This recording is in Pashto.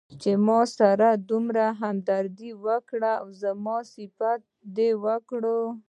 چې ماسره دې دومره همدردي وکړه او زما صفت دې وکړ.